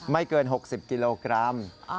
เกิน๖๐กิโลกรัม